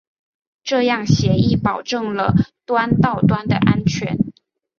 这样协议保证了端到端的安全。